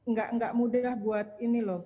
nggak mudah buat ini loh